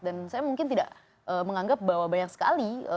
dan saya mungkin tidak menganggap bahwa banyak sekali